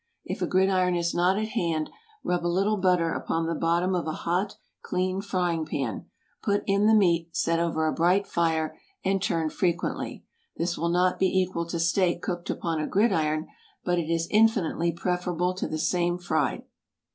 If a gridiron is not at hand, rub a little butter upon the bottom of a hot, clean frying pan, put in the meat, set over a bright fire, and turn frequently. This will not be equal to steak cooked upon a gridiron, but it is infinitely preferable to the same fried.